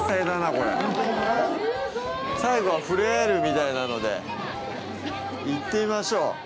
最後は触れ合えるみたいなので、行ってみましょう。